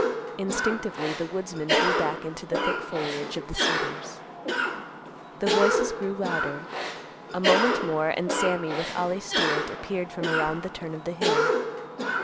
Instinctively the woodsman drew back into the thick foliage of the cedars. The voices grew louder. A moment more and Sammy with Ollie Stewart appeared from around the turn of the hill.